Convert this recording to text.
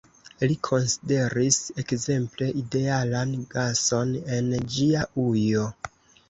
Li konsideris, ekzemple, idealan gason en ĝia ujo.